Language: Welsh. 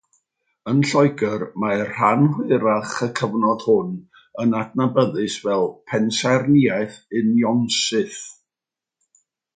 Yn Lloegr mae rhan hwyrach y cyfnod hwn yn adnabyddus fel pensaernïaeth Unionsyth.